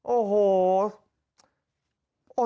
โอ้โห